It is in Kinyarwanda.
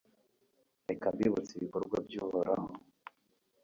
reka mbibutse ibikorwa by'uhoraho